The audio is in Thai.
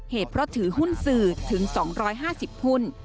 เหตุเพราะถือหุ้นสื่อถึง๒๕๐หุ้น